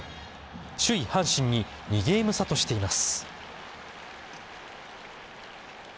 首位・阪神に２ゲーム差としています。